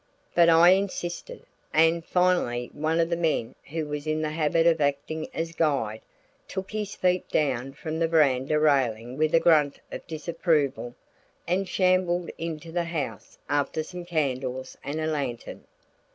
But I insisted, and finally one of the men who was in the habit of acting as guide, took his feet down from the veranda railing with a grunt of disapproval and shambled into the house after some candles and a lantern.